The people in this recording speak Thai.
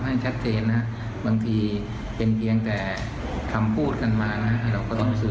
ให้ชัดเทนนะฮะบางทีเป็นเพียงแต่คำพูดกันมานะฮะ